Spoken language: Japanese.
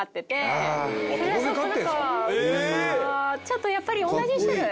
ちょっとやっぱり同じ種類？